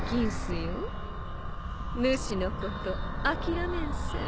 ぬしのこと諦めんせん。